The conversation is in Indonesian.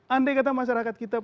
andai kata masyarakat kita